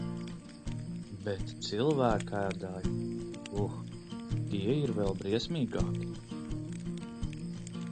Bet cilvēkēdāji, uh, tie ir vēl briesmīgāki!